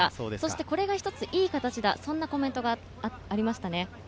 これが一ついい形だ、そんなコメントもありました。